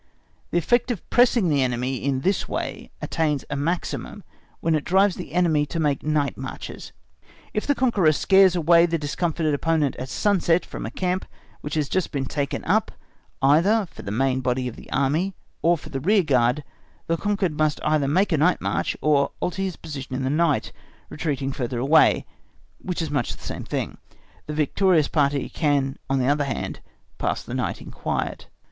The effect of pressing the enemy in this way attains a maximum when it drives the enemy to make night marches. If the conqueror scares away the discomfited opponent at sunset from a camp which has just been taken up either for the main body of the Army, or for the rear guard, the conquered must either make a night march, or alter his position in the night, retiring further away, which is much the same thing; the victorious party can on the other hand pass the night in quiet.